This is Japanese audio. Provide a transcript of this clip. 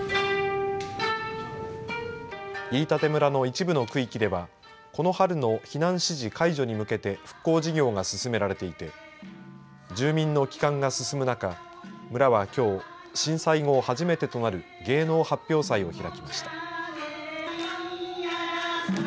飯舘村の一部の区域ではこの春の避難指示解除に向けて復興事業が進められていて住民の帰還が進む中村はきょう震災後初めてとなる芸能発表祭を開きました。